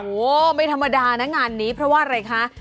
โอ้โหไม่ธรรมดานะงานนี้เพราะว่าอะไรคะ